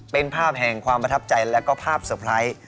เป็นภาพแห่งความประทับใจและก็ภาพเซอร์ไพรส์